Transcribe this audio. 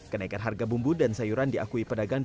kenaikan harga bumbu dan sayuran diakui pedagang di peguil